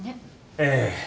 ええ。